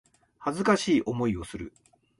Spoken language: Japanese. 恥ずかしい思いをする